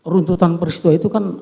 runtutan peristua itu kan